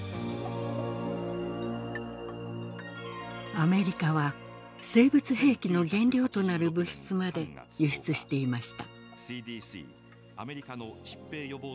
アメリカは生物兵器の原料となる物質まで輸出していました。